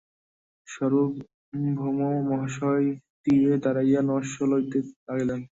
সার্বভৌমমহাশয় তীরে দাঁড়াইয়া নস্য লইতে লাগিলেন।